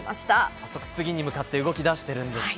早速次に向かって動きだしてるんですね。